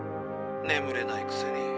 ねむれないくせに。